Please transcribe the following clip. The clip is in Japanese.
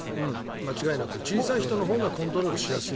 小さい人のほうがコントロールしやすい。